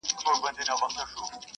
خلګ څنګه خپل سياسي استازي غوره کوي؟